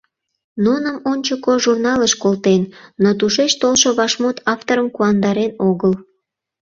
Нуным «Ончыко» журналыш колтен, но тушеч толшо вашмут авторым куандарен огыл.